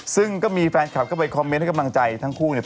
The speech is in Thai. ซึ่งก็มีแฟนคลับเข้าไปคอมเมนต์ให้กำลังใจทั้งคู่เนี่ย